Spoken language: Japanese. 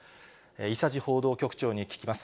伊佐治報道局長に聞きます。